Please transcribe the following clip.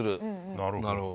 なるほど。